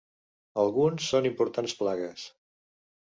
Alguns són importants plagues.